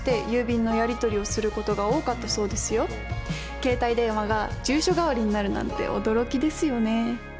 携帯電話が住所代わりになるなんて驚きですよね。